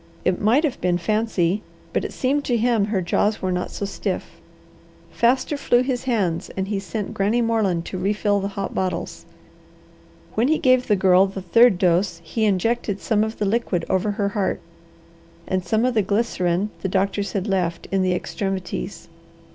It might have been fancy, but it seemed to him her jaws were not so stiff. Faster flew his hands and he sent Granny Moreland to refill the hot bottles. When he gave the Girl the third dose he injected some of the liquid over her heart and of the glycerine the doctors had left, in the extremities.